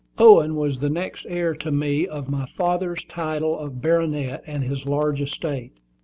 Owen was the next heir to me of my father's title of baronet and his large estate.